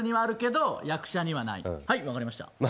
はい、わかりました。